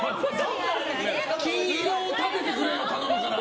金色を立ててくれよ、頼むから。